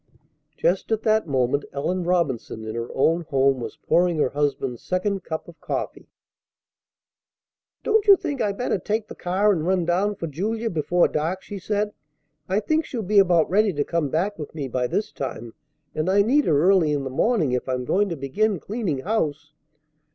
Just at that moment Ellen Robinson in her own home was pouring her husband's second cup of coffee. "Don't you think I'd better take the car and run down for Julia before dark?" she said. "I think she'll be about ready to come back with me by this time, and I need her early in the morning if I'm going to begin cleaning house."